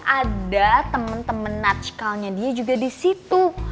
ada temen temen natchkalnya dia juga di situ